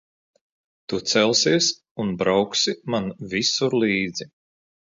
Tu celsies un brauksi man visur līdzi.